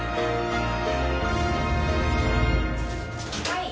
はい。